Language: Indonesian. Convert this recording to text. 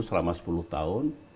selama sepuluh tahun